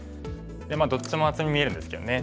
どっちも厚みに見えるんですけどね。